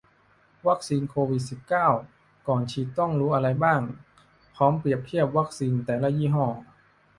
วัคซีนโควิด สิบเก้า ก่อนฉีดต้องรู้อะไรบ้าง พร้อมเปรียบเทียบวัคซีนแต่ละยี่ห้อ